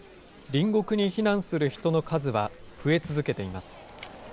隣国に避難する人の数は増え続けています。